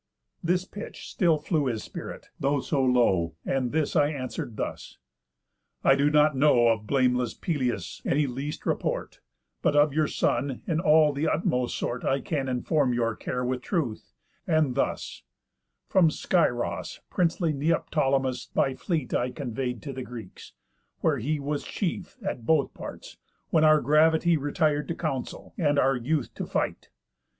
This pitch still flew his spirit, though so low, And this I answer'd thus: 'I do not know Of blameless Peleus any least report, But of your son, in all the utmost sort, I can inform your care with truth, and thus: From Scyros princely Neoptolemus By fleet I convey'd to the Greeks, where he Was chief, at both parts, when our gravity Retir'd to council, and our youth to fight.